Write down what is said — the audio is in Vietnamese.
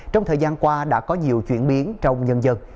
trong thời gian qua đã có nhiều chuyển biến trong nhân dân